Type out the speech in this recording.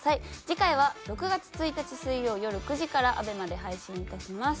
次回は６月１日水曜よる９時からアベマで配信いたします。